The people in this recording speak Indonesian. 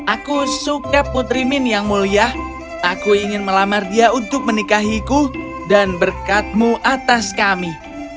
aku suka putri min yang mulia aku ingin melamar dia untuk menikahiku dan berkatmu atas kami